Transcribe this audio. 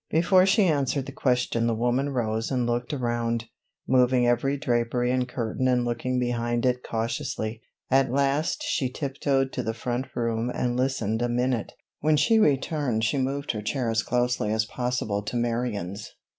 Before she answered the question the woman rose and looked around, moving every drapery and curtain and looking behind it cautiously. At the last she tiptoed to the front room and listened a minute, when she returned she moved her chair as closely as possible to Marion's.